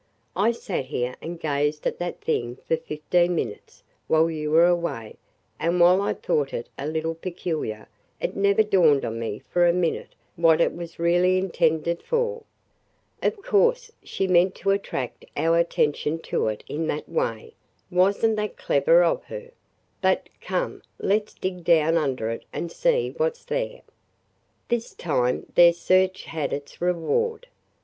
"I sat here and gazed at that thing for fifteen minutes, while you were away, and while I thought it a little peculiar, it never dawned on me for a minute what it was really intended for. Of course she meant to attract our attention to it in that way. Was n't that clever of her! But, come, let 's dig down under it and see what 's there!" This time their search had its reward.